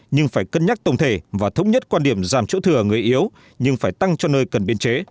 nhưng phải cân nhắc tổng thể và thống nhất quan điểm giảm chỗ thừa người yếu nhưng phải tăng cho nơi cần biên chế